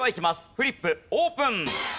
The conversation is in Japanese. フリップオープン！